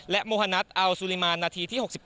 และมฮนัตเอาซูลิมานนาทีที่๖๘